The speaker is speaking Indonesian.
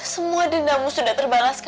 semua dendamu sudah terbalaskan kan